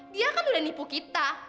dia kan udah nipu kita